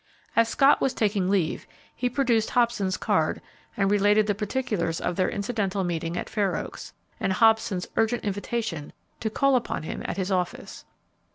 As Scott was taking leave, he produced Hobson's card and related the particulars of their incidental meeting at Fair Oaks, and Hobson's urgent invitation to call upon him at his office.